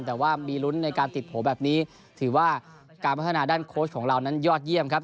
แต่ว่ามีลุ้นในการติดโผล่แบบนี้ถือว่าการพัฒนาด้านโค้ชของเรานั้นยอดเยี่ยมครับ